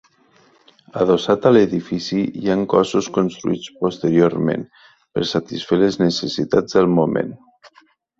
Adossat a l’edifici, hi han cossos construïts posteriorment, per satisfer les necessitats del moment.